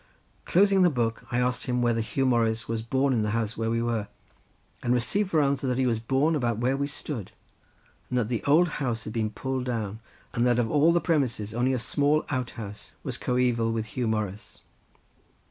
Closing the book, I asked him whether Huw Morris was born in the house where we were, and received for answer that he was born about where we stood, but that the old house had been pulled down, and that of all the premises only a small outhouse was coeval with Huw Morris.